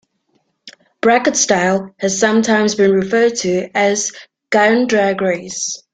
"Bracket style" has sometimes been referred to as a "gun drag race".